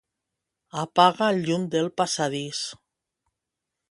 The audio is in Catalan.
Apaga el llum del passadís.